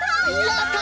やった！